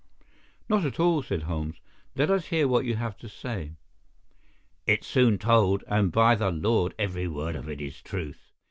"Not at all," said Holmes. "Let us hear what you have to say." "It's soon told, and, by the Lord, every word of it is truth.